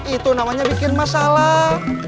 itu namanya bikin masalah